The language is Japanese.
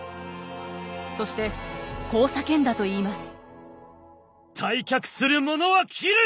そしてこう叫んだといいます。